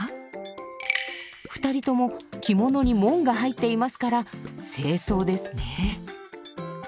２人とも着物に紋が入っていますから正装ですね。